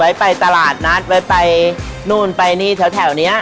ไปตลาดนัดไว้ไปนู่นไปนี่แถวนี้